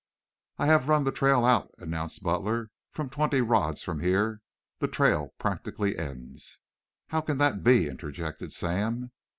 "I have run the trail out," announced Butler. "Some twenty rods from here the trail practically ends." "How can that be?" interjected Sam.